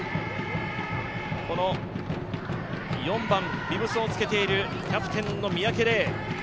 この４番、ビブスをつけているキャプテンの三宅怜。